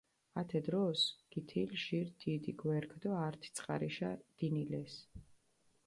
ათე დროს გითილჷ ჟირი დიდი გვერქჷ დო ართი წყარიშა დინილესჷ.